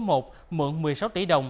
mượn một mươi sáu tỷ đồng